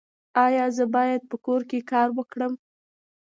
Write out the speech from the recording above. ایا زه باید په کور کې کار وکړم؟